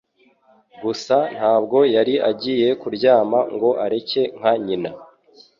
Gusa ntabwo yari agiye kuryama ngo areke nka nyina.